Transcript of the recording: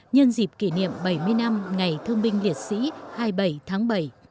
nhân dịp kỷ niệm bảy mươi năm ngày thương binh liệt sĩ hai mươi bảy tháng bảy